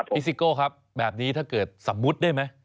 ซิโก้ครับแบบนี้ถ้าเกิดสมมุติได้ไหม